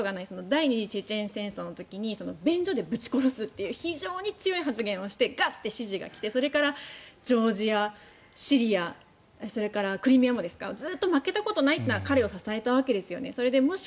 第２次チェチェン戦争の時に便所でぶち殺すという非常に強い発言をしてガッて指示が来てそれからジョージアシリアそれからクリミアもですかずっと負けたことがないというのが彼を支えたわけですよね。